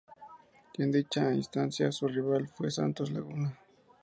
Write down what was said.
En dicha instancia su rival fue Santos Laguna.